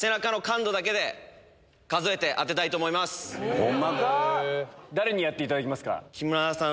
ホンマか⁉誰にやっていただきますか？